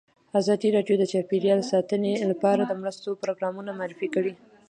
ازادي راډیو د چاپیریال ساتنه لپاره د مرستو پروګرامونه معرفي کړي.